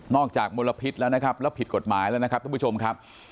จากมลพิษแล้วนะครับแล้วผิดกฎหมายแล้วนะครับทุกผู้ชมครับ